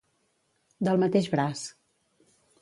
Del mateix braç.